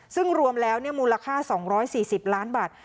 ซึ่งรวมแล้วมูลค่า๒๔๐ล้านบาท